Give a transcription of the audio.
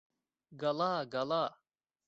گەڵا گەڵا